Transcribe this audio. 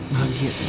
gak gitu ya